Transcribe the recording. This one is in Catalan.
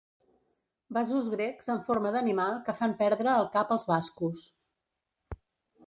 Vasos grecs en forma d'animal que fan perdre el cap als bascos.